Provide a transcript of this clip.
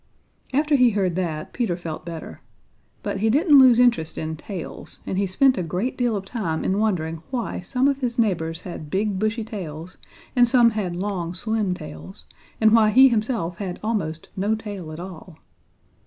After he heard that, Peter felt better. But he didn't lose interest in tails, and he spent a great deal of time in wondering why some of his neighbors had big, bushy tails and some had long, slim tails and why he himself had almost no tail at all.